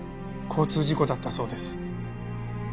交通事故だったそうです。